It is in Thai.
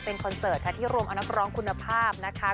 เป็นคอนเสิร์ตค่ะที่รวมเอานักร้องคุณภาพนะคะ